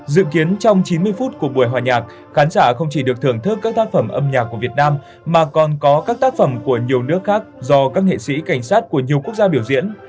dự kiến trong chín mươi phút của buổi hòa nhạc khán giả không chỉ được thưởng thức các tác phẩm âm nhạc của việt nam mà còn có các tác phẩm của nhiều nước khác do các nghệ sĩ cảnh sát của nhiều quốc gia biểu diễn